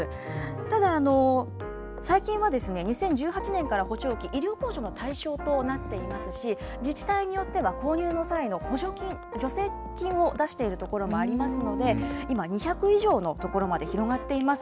ただ、最近はですね、２０１８年から補聴器、医療控除の対象となっていますし、自治体によっては購入の際の補助金、助成金を出しているところもありますので、今、２００以上のところまで広がっています。